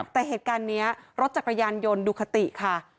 แต่เหตุการณ์นี้รถจักรยานยนต์ดูคติค่ะ